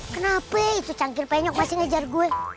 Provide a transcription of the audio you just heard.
kenapa itu canggir pantas masih ngejar gue